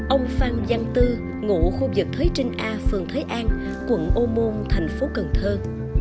ông phan giang tư ngụ khu vực thuế trinh a phường thới an quận ô môn thành phố cần thơ